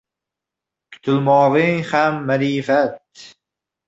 Kutilmog’ing ham ma’rifat.